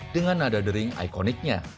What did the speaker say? dengan nada dering ikoniknya